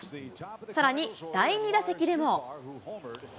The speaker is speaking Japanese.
さらに第２打席でも。